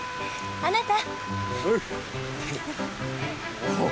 あなた！